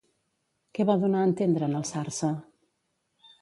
Què va donar a entendre en alçar-se?